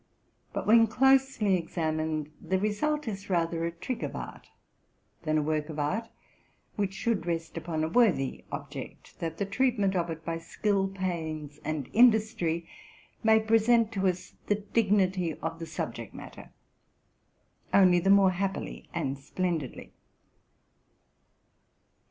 But, when closely examined, the result is rather a trick of art than a work of art, which should rest upon a worthy object, that the treat ment of it, by skill, pains, and industry, may present to us the dignity of the subject matter only the more happily and splendidly.